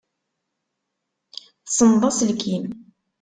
Tessenseḍ aselkim.